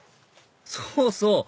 そうそう！